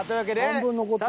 半分残ったよ。